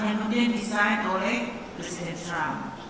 yang kemudian desain oleh presiden trump